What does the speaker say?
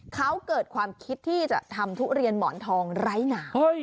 เขาเกิดความคิดที่จะทำทุเรียนหมอนทองไร้หนาว